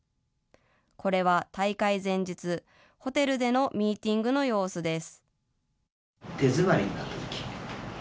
これは大会前日、ホテルでのミーティングの様子です。